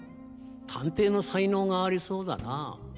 探偵の才能がありそうだな。